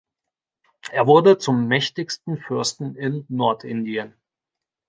Er wurde zum mächtigsten Fürsten in Nordindien.